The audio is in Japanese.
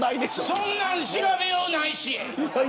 そんなん調べようないし。